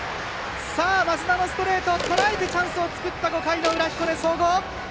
さあ升田のストレートをとらえてチャンスを作った５回の裏彦根総合。